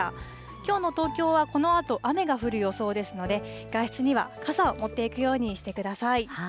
きょうの東京はこのあと、雨が降る予想ですので、外出には傘を持っていくようにしてください。